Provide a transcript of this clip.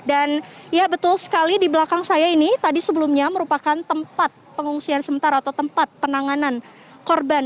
dan ya betul sekali di belakang saya ini tadi sebelumnya merupakan tempat pengungsian sementara atau tempat penanganan korban